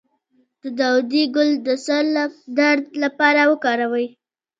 د داودي ګل د سر درد لپاره وکاروئ